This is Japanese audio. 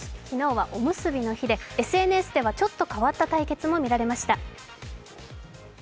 昨日はおむすびの日で、ＳＮＳではちょっと変わった対決も見られました。